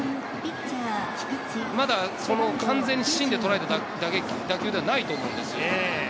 まだ完全に芯でとらえた打球ではないと思うんです。